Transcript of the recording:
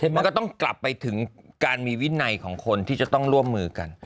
มันก็ต้องกลับไปถึงการมีวินัยของคนที่จะต้องร่วมมือกัน